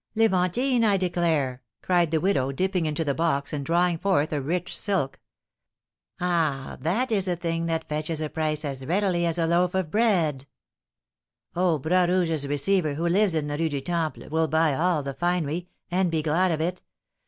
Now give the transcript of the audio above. "Levantine, I declare!" cried the widow, dipping into the box, and drawing forth a rich silk. "Ah, that is a thing that fetches a price as readily as a loaf of bread." "Oh, Bras Rouge's receiver, who lives in the Rue du Temple, will buy all the finery, and be glad of it.